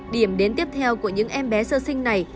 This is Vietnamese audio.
điểm đến tiếp theo của những em bé sơ sinh này